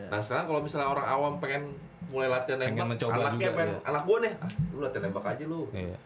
nah sekarang kalau misalnya orang awam pengen mulai latihan menembak anaknya pengen anak gue nih lu latihan menembak aja lu